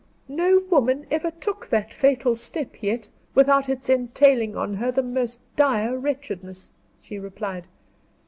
"No woman ever took that fatal step yet, without its entailing on her the most dire wretchedness," she replied.